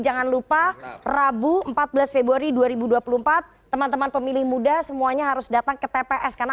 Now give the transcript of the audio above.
jangan lupa rabu empat belas februari dua ribu dua puluh empat teman teman pemilih muda semuanya harus datang ke tps karena